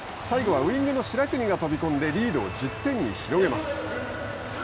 最後はウイングの白國が飛び込んでリードを１０点に広げます。